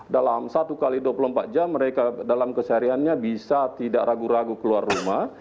dalam satu x dua puluh empat jam mereka dalam kesehariannya bisa tidak ragu ragu keluar rumah